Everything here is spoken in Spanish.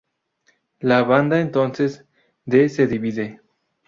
La banda entonces de se divide.